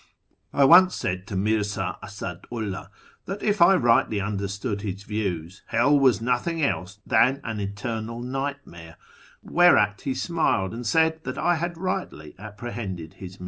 I once said to Mirza Asadu 'llah that, if I rightly understood his views, hell was nothing else than an eternal nightmare : whereat he smiled, and said that I had rightly apprehended his meaning.